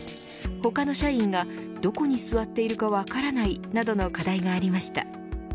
他の社員がどこに座っているか分からないなどの課題がありました。